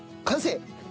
完成？